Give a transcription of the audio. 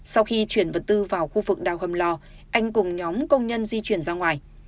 sau khi chuyển vật tư vào khu vực đào hầm lò anh cùng nhóm công nhân di chuyển ra ngoài